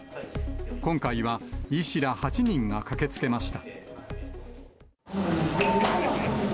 今回は医師ら８人が駆けつけました。